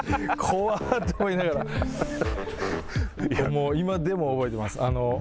もう今でも覚えています。